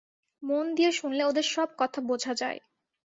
মন দিয়ে শুনলে ওদের সব কথা বোঝা যায়।